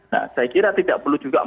nah saya kira tidak perlu juga